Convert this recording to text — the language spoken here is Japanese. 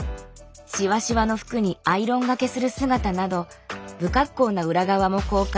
シワシワの服にアイロンがけする姿など不格好な裏側も公開。